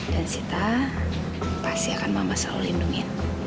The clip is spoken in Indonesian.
dan sita pasti akan mama selalu lindungi